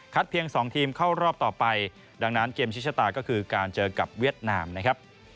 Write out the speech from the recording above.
เพียง๒ทีมเข้ารอบต่อไปดังนั้นเกมชิดชะตาก็คือการเจอกับเวียดนามนะครับ